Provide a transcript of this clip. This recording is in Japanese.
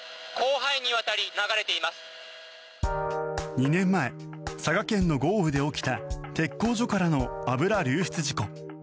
２年前、佐賀県の豪雨で起きた鉄工所からの油流出事故。